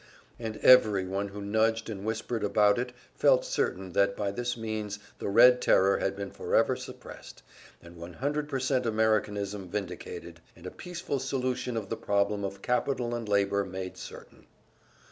And every one who nudged and whispered about it felt certain that by this means the Red Terror had been forever suppressed, and 100% Americanism vindicated, and a peaceful solution of the problem of capital and labor made certain.